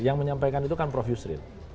yang menyampaikan itu kan prof yusril